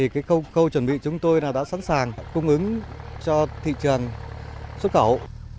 khâu chuẩn bị chúng tôi đã sẵn sàng cung ứng cho thị trường xuất khẩu